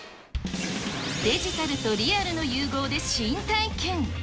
デジタルとリアルの融合で新体験。